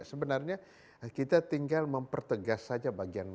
sebenarnya kita tinggal mempertegas saja bagian